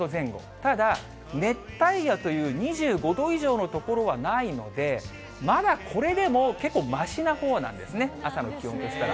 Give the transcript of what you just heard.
ただ、熱帯夜という２５度以上の所はないので、まだこれでも結構ましなほうなんですね、朝の気温としたら。